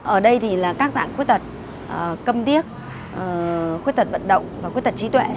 ở đây thì là các dạng khuyết tật cầm điếc khuyết tật vận động và khuyết tật trí tuệ